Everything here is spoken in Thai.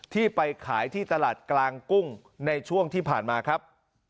ที่ไปขายที่ตลาดกลางกุ้งในช่วงที่ผ่านมาครับ